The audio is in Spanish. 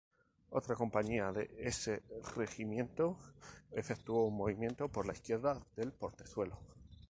Otra compañía de ese regimiento efectuó un movimiento por la izquierda del portezuelo.